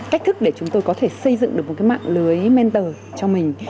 cách thức để chúng tôi có thể xây dựng được một cái mạng lưới mentor cho mình